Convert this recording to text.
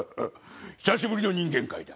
久しぶりの人間界だ。